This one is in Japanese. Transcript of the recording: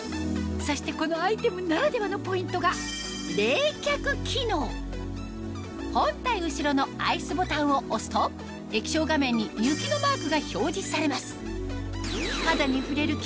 そしてこのアイテムならではのポイントが本体後ろのＩＣＥボタンを押すと液晶画面に雪のマークが表示されます